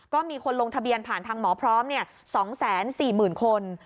ก็มีคนลงทะเบียนผ่านทางหมอพร้อม๒๔๐๐๐คน